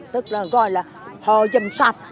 tức là gọi là hò dâm sạp